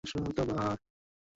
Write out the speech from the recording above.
শরীরের রং বাদামী-ধূসর।